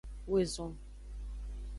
Woezon.